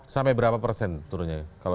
sampai berapa persen turunnya